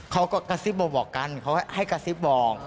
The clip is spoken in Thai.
เขาก็กระซิบบ่อกกันให้กระซิบบอก